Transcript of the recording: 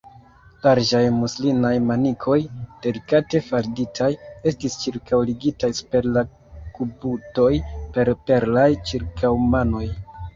Larĝaj muslinaj manikoj, delikate falditaj, estis ĉirkaŭligitaj super la kubutoj per perlaj ĉirkaŭmanoj.